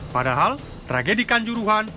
padahal tragedikan juruhan